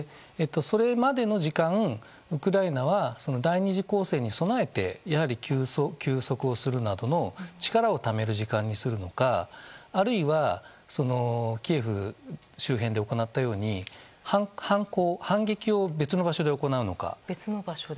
それまでの時間、ウクライナは第２次攻勢に備えてやはり休息をするなどの力をためる時間にするのかあるいは、キーウ周辺で行ったように反撃を別の場所で行うのか。